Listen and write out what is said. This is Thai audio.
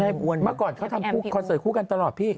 ให้บวนมาก่อนเขาทำคูน์เสิร์ตคู่กันตลอดพี่